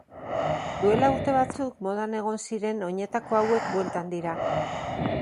Duela urte batzuk modan egon ziren oinetako hauek bueltan dira.